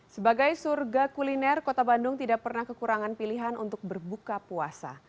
sebagai surga kuliner kota bandung tidak pernah kekurangan pilihan untuk berbuka puasa